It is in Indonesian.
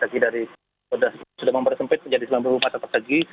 jadi dari sudah mempersempit menjadi sembilan puluh meter persegi